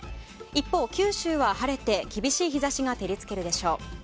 一方、九州は晴れて厳しい日差しが照り付けるでしょう。